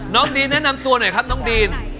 ดีนแนะนำตัวหน่อยครับน้องดีน